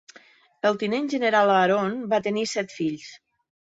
El tinent general Aaron va tenir set fills.